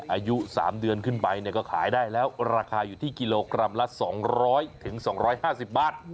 อายุ๓เดือนขึ้นไปก็ขายได้แล้วราคาอยู่ที่กิโลกรัมละ๒๐๐๒๕๐บาท